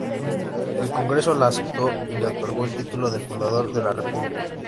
El Congreso la aceptó y le otorgó el título de "Fundador de la República".